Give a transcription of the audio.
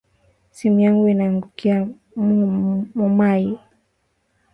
Simu yangu inaangukia mu mayi